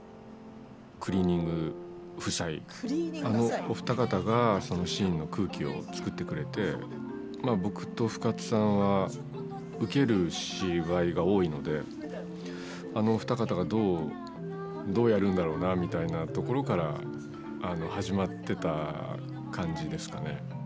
あのお二方がそのシーンの空気を作ってくれて僕と深津さんは受ける芝居が多いのであのお二方がどうやるんだろうなみたいなところから始まってた感じですかね。